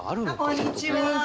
こんにちは。